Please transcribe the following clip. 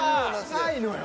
ないのよ。